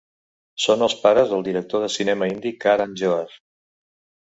Són els pares el director de cinema indi Karan Johar.